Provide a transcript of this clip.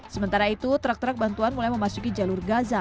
sementara itu trak trak bantuan mulai memasuki jalur gaza